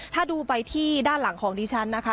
ถ้าดูไปที่ด้านหลังของดิฉันนะคะ